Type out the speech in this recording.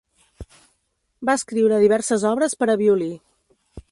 Va escriure diverses obres per a violí.